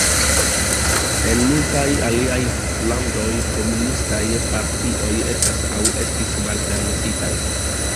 En multaj aliaj landoj, komunistaj partioj estas aŭ estis malpermesitaj.